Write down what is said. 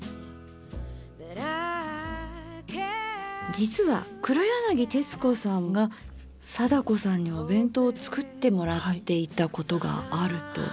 実は黒柳徹子さんが貞子さんにお弁当を作ってもらっていたことがあると。